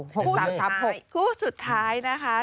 โอ้โหคู่สุดท้าย